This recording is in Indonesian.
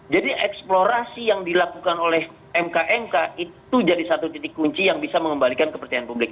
jadi eksplorasi yang dilakukan oleh mkmk itu jadi satu titik kunci yang bisa mengembalikan kepercayaan publik